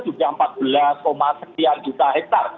sudah empat belas sekian juta hektare